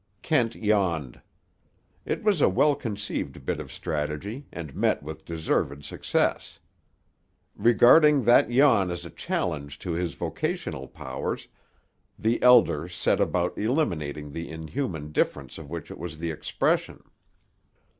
Kent yawned. It was a well conceived bit of strategy, and met with deserved success. Regarding that yawn as a challenge to his vocational powers, the Elder set about eliminating the inhuman indifference of which it was the expression.